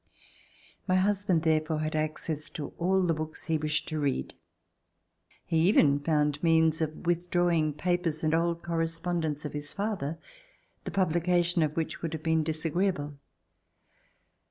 My husband there fore had access to all the books he wished to read. He even found means of withdrawing papers and old correspondence of his father, the publication of which would have been disagreeable.